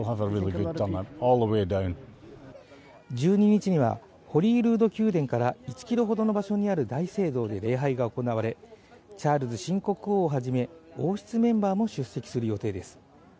１２日には、ホリールード宮殿から１ｋｍほどの場所にある大聖堂で礼拝が行われチャールズ新国王を初め王室メンバーも出席する予定です。